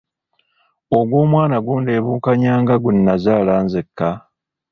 Ogw’omwana gundebukanya nga gwe nnazaala nzekka?